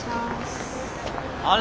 あれ？